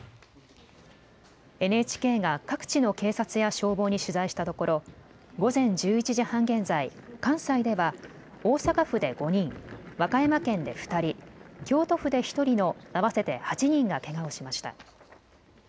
ＮＨＫが各地の警察や消防に取材したところ午前１１時半現在、関西では大阪府で５人、和歌山県で２人、京都府で１人の合わせて８人がけがをしました。